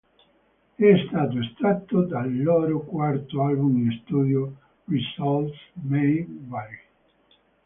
È stato estratto dal loro quarto album in studio, "Results May Vary".